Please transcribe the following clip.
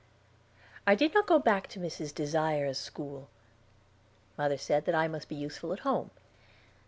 I did not go back to Mrs. Desire's school. Mother said that I must be useful at home.